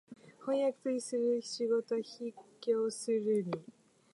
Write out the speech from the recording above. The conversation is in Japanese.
飜訳という仕事は畢竟するに、